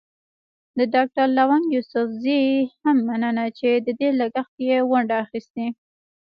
د ډاکټر لونګ يوسفزي هم مننه چې د دې لګښت کې يې ونډه اخيستې.